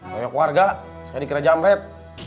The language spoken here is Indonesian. saya keluarga saya dikira jamret